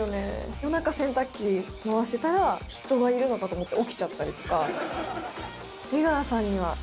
夜中、洗濯機回してたら、人がいるのかと思って起きちゃったりとか。